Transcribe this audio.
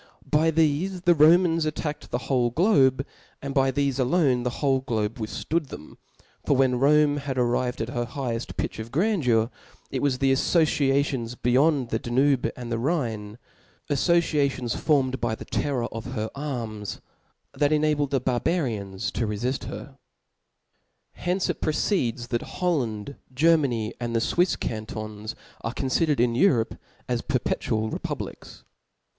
By thefe the Romans attacked the whole globe, and by thefe alone the >vhole globe withftood them : for when Rome was arrived to her higheft pitch of grandeur, it was the affociations beyond the Danube and the Rhine, af fociations formed by the terror of her arms, that enabled the Barbarians to rcfift her. From hence it proceeds that Holland *, Ger many, and the Swifs Cantons, are confidered in Europe as perpetual republics.